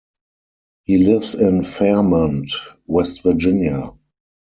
He lives in Fairmont, West Virginia.